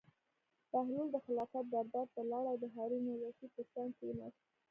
بهلول د خلافت دربار ته لاړ او د هارون الرشید تر څنګ کېناست.